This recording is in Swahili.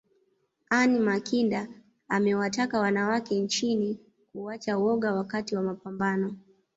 Anne Makinda amewataka wanawake nchini kuacha woga wakati wa mapambano